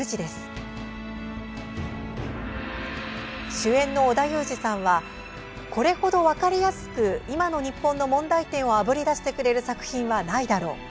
主演の織田裕二さんはこれ程、分かりやすく今の日本の問題点をあぶり出してくれる作品はないだろう。